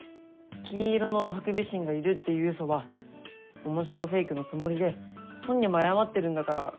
金色のハクビシンがいるっていうウソは面白フェイクのつもりで本人も謝ってるんだからいいんじゃないの？